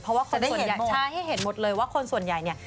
เพราะว่าคนส่วนใหญ่